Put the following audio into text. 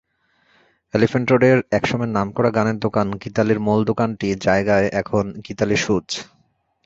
Elephant রোডের একসময়ের নামকরা গানের দোকান গীতালীর মূল দোকানটির জায়গায় এখন গীতালী সুজ।